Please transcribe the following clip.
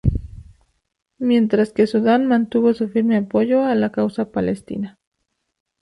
Mientras que Sudán mantuvo su firme apoyo a la causa palestina.